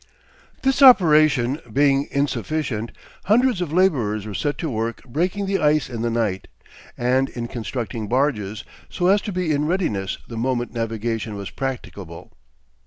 This operation being insufficient, hundreds of laborers were set to work breaking the ice in the night, and in constructing barges, so as to be in readiness the moment navigation was practicable.